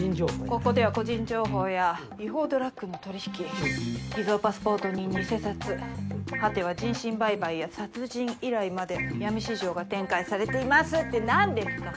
ここでは個人情報や違法ドラッグの取引偽造パスポートに偽札果ては人身売買や殺人依頼まで闇市場が展開されていますって何ですか！